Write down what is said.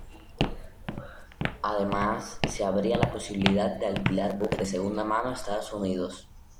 Además, se abría la posibilidad de alquilar buques de segunda mano a Estados Unidos.